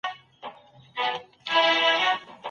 کتابونه د اقتصادي مفکورو په اړه څه وايي؟